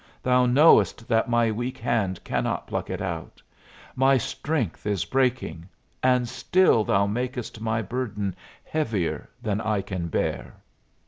Thou knowest that my weak hand cannot pluck it out. My strength is breaking, and still Thou makest my burden heavier than I can bear."